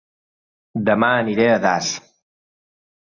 Dema aniré a Das